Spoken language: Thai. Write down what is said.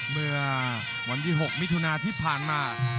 เมื่อวันที่๖มิถุนาที่ผ่านมา